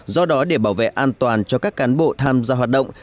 do đó để bảo vệ an toàn cho các cán bộ tham gia hoạt động